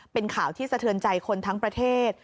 เป็นข่าวที่สะเทือนใจคนทั้งประเทศ